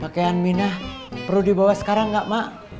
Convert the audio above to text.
pakaian mina perlu dibawa sekarang gak mak